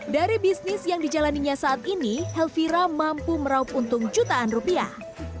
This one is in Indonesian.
dari bisnis yang dijalaninya saat ini helvira mampu meraup untung jutaan rupiah